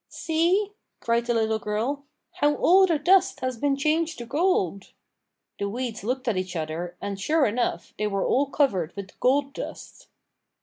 "See," cried a little girl, "how all the dust has been changed to gold!" The weeds looked at each other, and, sure enough, they were all covered with gold dust.